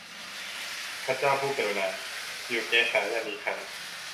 พระเจ้าผู้กรุณา อยู่เกศาอย่ามีภัย